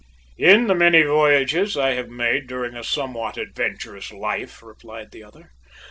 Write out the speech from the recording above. "In the many voyages I have made during a somewhat adventurous life," replied the other.